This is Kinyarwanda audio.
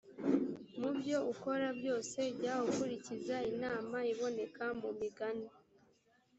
mu byo ukora byose jya ukurikiza inama iboneka mu migani